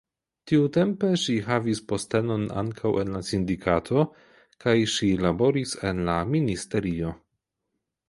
Tiutempe ŝi havis postenon ankaŭ en la sindikato kaj ŝi laboris en la ministerio.